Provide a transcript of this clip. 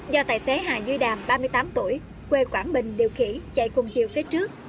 do tài xế hà duy đàm ba mươi tám tuổi quê quảng bình điều khiển chạy cùng chiều phía trước